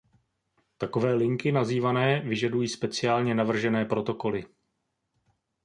Takové linky nazývané vyžadují speciálně navržené protokoly.